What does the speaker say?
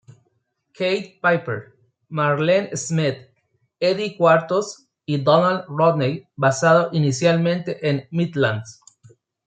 Keith Piper, Marlene Smith, Eddie Cuartos y Donald Rodney basado inicialmente en Midlands.